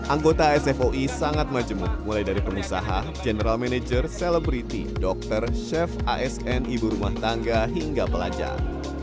anggota sfoi sangat majemuk mulai dari pengusaha general manager celebriti dokter chef asn ibu rumah tangga hingga pelajar